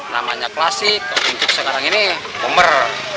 namanya klasik untuk sekarang ini bomer